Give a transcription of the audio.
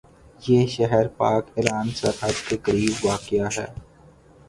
یہ شہر پاک ایران سرحد کے قریب واقع ہے